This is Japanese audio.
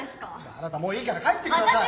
あなたもういいから帰って下さい。